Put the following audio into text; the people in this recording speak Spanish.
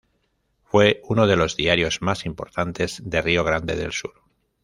Fue uno de los diarios más importantes de Río Grande del Sur.